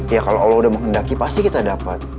ya kalau allah udah menghendaki pasti kita dapat